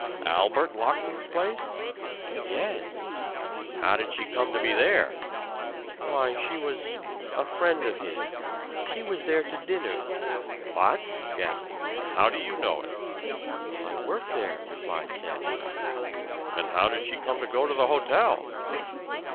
"ALBERT Lockman's place?" "Yes." "How did she come to be there?" "Why, she was a friend of his. She was there to dinner." "What!" gasped the man. "How do you know it?" "I work there," replied Samuel. "And how did she come to go to the hotel?"